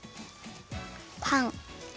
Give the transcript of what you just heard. パン。